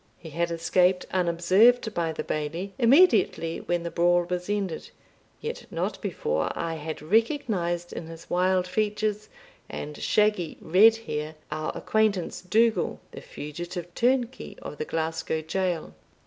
He had escaped unobserved by the Bailie, immediately when the brawl was ended, yet not before I had recognised, in his wild features and shaggy red hair, our acquaintance Dougal, the fugitive turnkey of the Glasgow jail.